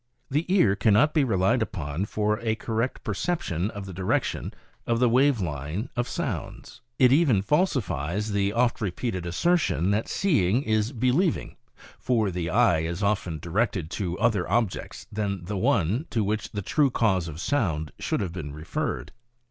The ear cannot be relied upon for a correct percep tion of the direction of the wave lines of sound. It even falsifies 24 maccabe's art of ventriloquism the oft repeated assertion that "seeing is believing," for the eye is often directed to other objects than the one to which the true cause of sound should have been referred.